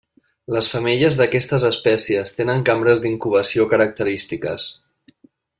Les femelles d'aquestes espècies tenen cambres d'incubació característiques.